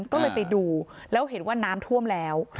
ก็เลยไปดูแล้วเห็นว่าน้ำท่วมแล้ว